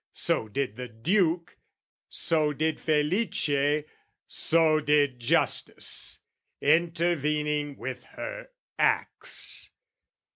So did the Duke, so did Felice, so Did Justice, intervening with her axe.